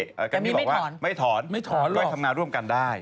แกรมมี่ไม่ถอนไม่ถอนหรอกก็ทำงานร่วมกันได้